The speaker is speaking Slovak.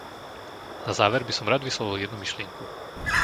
Na záver by som rád vyslovil jednu myšlienku.